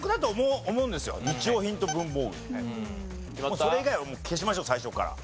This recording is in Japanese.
それ以外はもう消しましょう最初から。